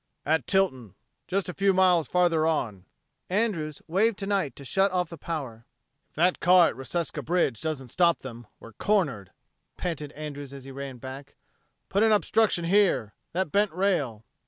"At Tilton just a few miles farther on." Andrews waved to Knight to shut off the power. "If that car at Reseca bridge doesn't stop them, we're cornered," panted Andrews as he ran back. "Put an obstruction here! That bent rail!"